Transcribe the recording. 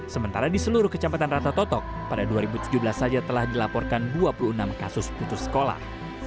sementara di seluruh kecamatan rata totok pada dua ribu tujuh belas saja telah dilaporkan dua puluh enam kasus putus sekolah